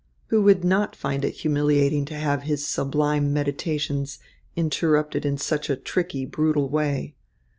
Who would not find it humiliating to have his sublime meditations interrupted in such a tricky, brutal way?